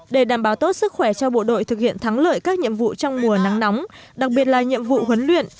để đảm bảo tốt sức khỏe cho bộ đội thực hiện thắng lợi các nhiệm vụ trong mùa nắng nóng đặc biệt là nhiệm vụ huấn luyện